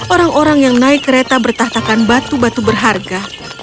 orang orang yang naik kereta bertahtakan batu batu berharga